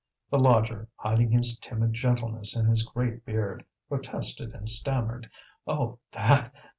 The lodger, hiding his timid gentleness in his great beard, protested and stammered: "Oh, that?